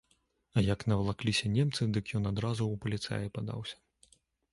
А як навалакліся немцы, дык ён адразу ў паліцаі падаўся.